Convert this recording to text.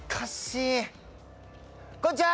こんにちは！